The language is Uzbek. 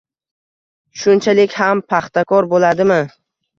Shunchalik ham paxtakor bo'ladimi?